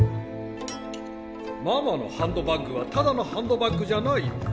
ママのハンドバッグはただのハンドバッグじゃない。